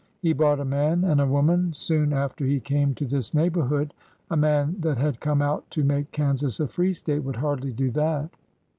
He bought a man and a woman soon after he came to this neighborhood. A man that had come out to make Kansas a free State would hardly do that."